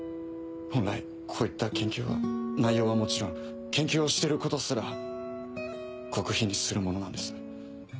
本来こういった研究は内容はもちろん研究をしてることすら極秘にするものなんです。